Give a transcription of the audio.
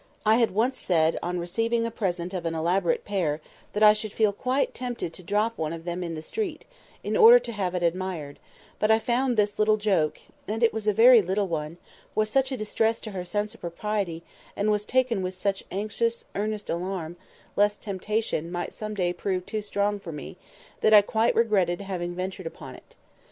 I had once said, on receiving a present of an elaborate pair, that I should feel quite tempted to drop one of them in the street, in order to have it admired; but I found this little joke (and it was a very little one) was such a distress to her sense of propriety, and was taken with such anxious, earnest alarm, lest the temptation might some day prove too strong for me, that I quite regretted having ventured upon it.